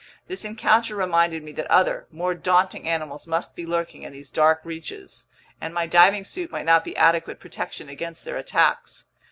This encounter reminded me that other, more daunting animals must be lurking in these dark reaches, and my diving suit might not be adequate protection against their attacks.